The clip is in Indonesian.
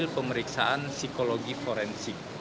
pemeriksaan psikologi forensik